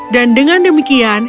dan dengan demikian